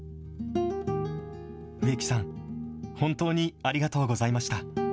植木さん、本当にありがとうございました。